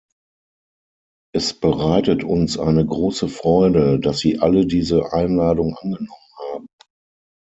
Es bereitet uns eine große Freude, dass Sie alle diese Einladung angenommen haben.